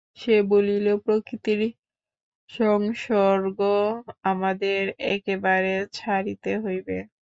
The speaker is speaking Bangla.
সে বলিল, প্রকৃতির সংসর্গ আমাদের একেবারে ছাড়িতে হইবে।